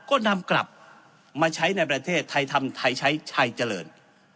ก็นำกลับมาใช้ในประเทศไทยทำไทยใช้ชัยเจริญ